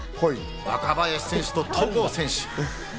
若林選手と戸郷選手です。